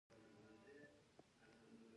بزګان د افغان ماشومانو د لوبو یوه موضوع ده.